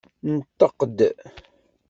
Nṭeq-d!